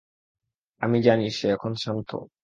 আমি জানি সে এখন শান্ত।